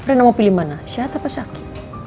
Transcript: ena mau pilih mana sakit atau sehat